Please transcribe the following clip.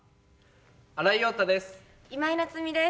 新井庸太です。